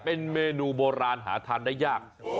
เป็นเมนูโบราณหาทานได้ยาก